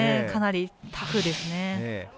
かなりタフですね。